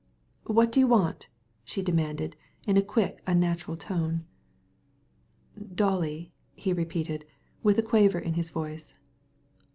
"What do you want?" she said in a rapid, deep, unnatural voice. "Dolly!" he repeated, with a quiver in his voice.